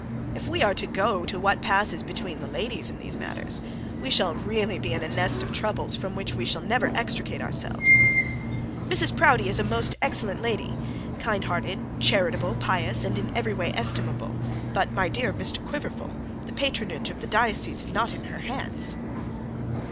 'If we are to go to what passes between the ladies in these matters, we shall really be in a nest of troubles from which we shall never extricate ourselves. Mrs Proudie is a most excellent lady, kind hearted, charitable, pious, and in every way estimable. But, my dear Mr Quiverful, the patronage of the diocese is not in her hands.'